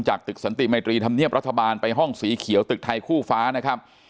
จากตึกสันติมธรัฐบไปห้องสีเขียวตึกไทยฝคนะครับ